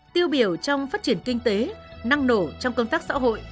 tiêu biểu trong phát triển kinh tế năng nổ trong công tác xã hội